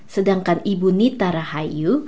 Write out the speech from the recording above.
sedangkan ibu nita rahayu